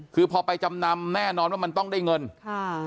คือพอไปจำนำแน่นอนว่ามันต้องได้เงินค่ะ